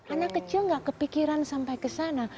anak kecil gak kepikiran sampai ke sana